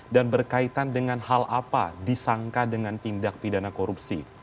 dan berkaitan dengan hal apa disangka dengan tindak pidana korupsi